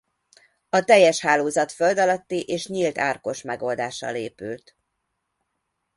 A teljes hálózat földalatti és nyílt árkos megoldással épült.